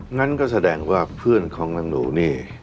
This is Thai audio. งั้นก็แสดงว่าเพื่อนของนางหนูนี่